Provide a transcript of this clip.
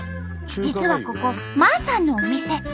実はここマーさんのお店。